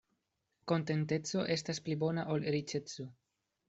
Kontenteco estas pli bona ol riĉeco.